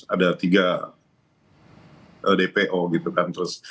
ada tiga dpo gitu kan terus